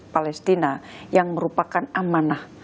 palestina yang merupakan amanah